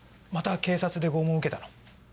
また警察で拷問受けたの？